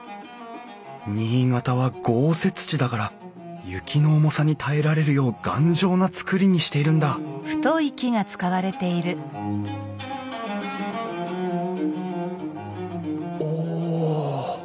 新潟は豪雪地だから雪の重さに耐えられるよう頑丈な造りにしているんだおお。